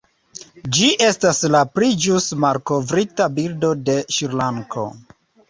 Ĝi estas la pli ĵus malkovrita birdo de Srilanko.